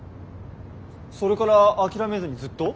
それから諦めずにずっと？